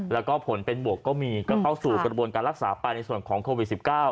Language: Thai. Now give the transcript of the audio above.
แล้วก็ผลเป็นบวกก็มีก็เข้าสู่กระบวนการรักษาไปในส่วนของโควิด๑๙